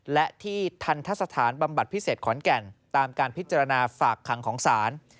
และที่ทันทะสถานบำบัดพิเศษขอนแก่นตามการพิจารณาฝากขังของศาล